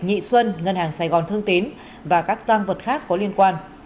nhị xuân ngân hàng sài gòn thương tín và các tăng vật khác có liên quan